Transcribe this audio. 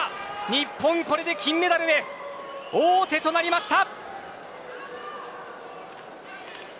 日本これで金メダルへ王手となりました。